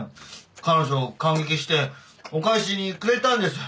彼女感激してお返しにくれたんです。